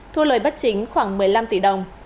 thu lời bất chính khoảng một mươi năm tỷ đồng